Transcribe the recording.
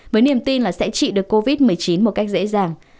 với niềm tin là sẽ trị được covid một mươi chín một cách dễ dàng